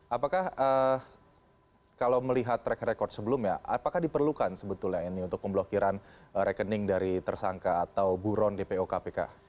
apakah kalau melihat track record sebelumnya apakah diperlukan sebetulnya ini untuk pemblokiran rekening dari tersangka atau buron dpo kpk